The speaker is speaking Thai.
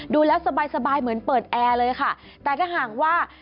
ดูแล้วสบายสบายเหมือนเปิดแอร์เลยค่ะแต่ถ้าหากว่า